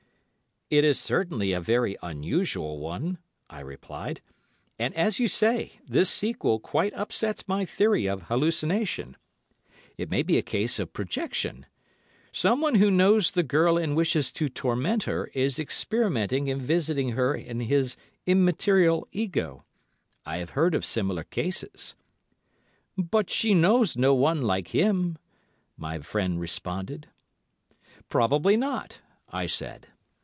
"It is certainly a very unusual one," I replied, "and, as you say, this sequel quite upsets my theory of hallucination. It may be a case of projection. Someone who knows the girl and wishes to torment her is experimenting in visiting her in his immaterial ego. I have heard of similar cases." "But she knows no one like him," my friend responded. "Probably not," I said.